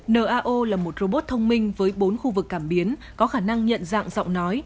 nao là một robot thông minh với bốn khu vực cảm biến có khả năng nhận dạng giọng nói